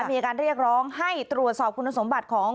มีการเรียกร้องให้ตรวจสอบคุณสมบัติของ